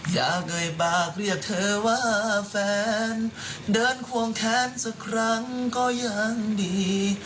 เอ่ยปากเรียกเธอว่าแฟนเดินควงแค้นสักครั้งก็ยังดี